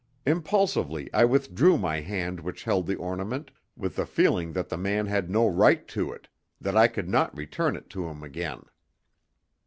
Impulsively I withdrew my hand which held the ornament, with the feeling that the man had no right to it that I could not return it to him again.